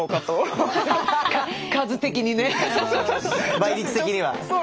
倍率的には。